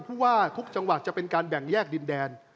ผู้ว่าทุกจังหวัดจะเป็นการแบ่งแยกดินแดน